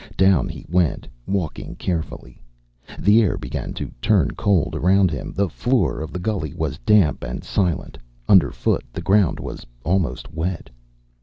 Down he went, walking carefully. The air began to turn cold around him. The floor of the gully was damp and silent; underfoot the ground was almost wet.